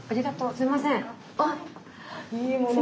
すいません。